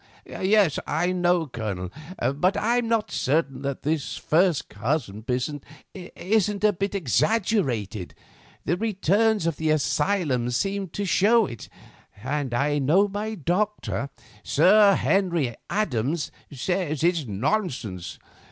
"Yes, I know, Colonel; but I am not certain that this first cousin business isn't a bit exaggerated. The returns of the asylums seem to show it, and I know my doctor, Sir Henry Andrews, says it's nonsense.